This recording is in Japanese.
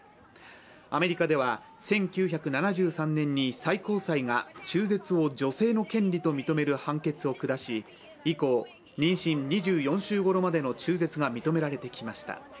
アメリカでは、１９７３年に最高裁が中絶を女性の権利と認める判決を下し以降、妊娠２４週ごろまでの中絶が認められてきました。